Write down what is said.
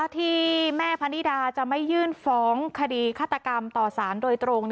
ที่แม่พนิดาจะไม่ยื่นฟ้องคดีฆาตกรรมต่อสารโดยตรง